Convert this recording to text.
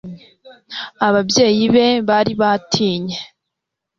ababyeyi be bari batinye